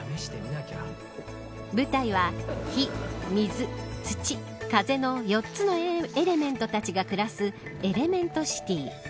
舞台は、火、水、土、風の４つのエレメントたちが暮らすエレメント・シティ。